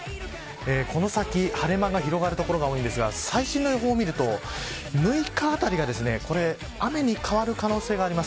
この先晴れ間が広がる所が多いんですが最新の予報を見ると６日あたりが雨に変わる可能性があります。